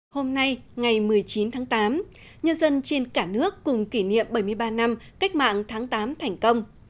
hôm nay ngày một mươi chín tháng tám nhân dân trên cả nước cùng kỷ niệm bảy mươi ba năm cách mạng tháng tám thành công